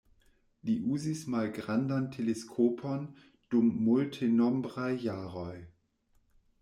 Li uzis malgrandan teleskopon dum multenombraj jaroj.